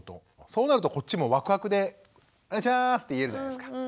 そうなるとこっちもワクワクでお願いしますって言えるじゃないですか。